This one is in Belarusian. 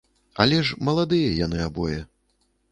Але ж маладыя яны абое.